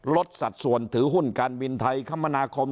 สัดส่วนถือหุ้นการบินไทยคมนาคม